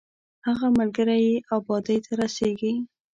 هغه ملګری یې ابادۍ ته رسېږي.